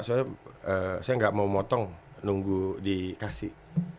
saya nggak mau motong nunggu dikasih